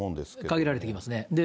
限られてきますね。